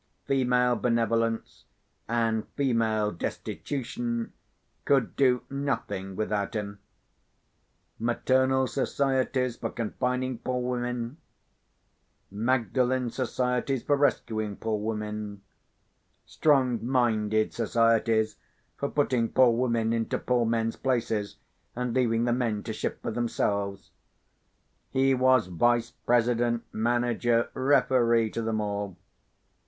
Female benevolence and female destitution could do nothing without him. Maternal societies for confining poor women; Magdalen societies for rescuing poor women; strong minded societies for putting poor women into poor men's places, and leaving the men to shift for themselves;—he was vice president, manager, referee to them all.